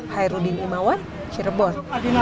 hairudin imawan cirebon